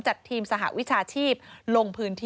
จัดทีมสหวิชาชีพ